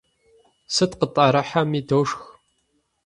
Сыт къытӀэрыхьэми дошх!